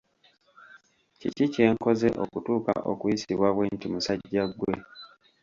Kiki kye nkoze okutuuka okuyisibwa bwenti musajja gwe!